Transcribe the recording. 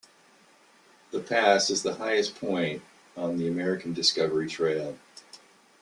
The pass is the highest point on the American Discovery Trail.